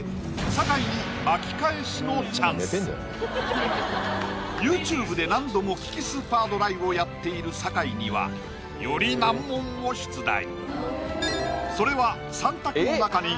酒井にＹｏｕＴｕｂｅで何度も利きスーパードライをやっている酒井にはより難問を出題